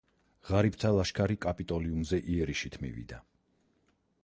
ღარიბთა ლაშქარი კაპიტოლიუმზე იერიშით მივიდა.